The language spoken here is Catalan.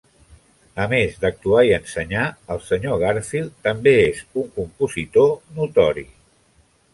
A més d'actuar i ensenyar, el Sr. Garfield també és un compositor notori.